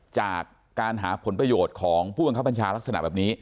จากการหาผลประโยชน์ของผู้บังคับบัญชาลักษณะแบบนี้